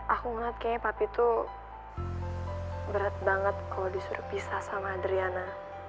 aku ngeliat kayaknya papi tuh berat banget kalau disuruh pisah sama adriana